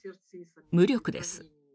無力です。